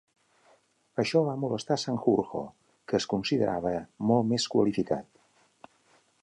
Això va molestar Sanjurjo, que es considerava molt més qualificat.